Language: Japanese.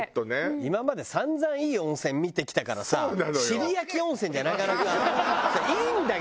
今まで散々いい温泉見てきたからさ尻焼温泉じゃなかなか。